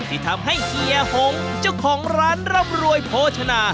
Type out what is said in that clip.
ที่ทำให้เฮียหงเจ้าของร้านร่ำรวยโภชนา